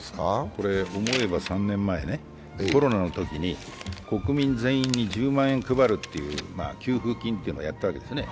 これ、思えば３年前、コロナのときに国民全員に１０万円配布するという給付金というのをやったわけですね。